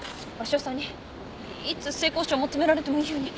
鷲尾さんにいつ性交渉を求められてもいいように。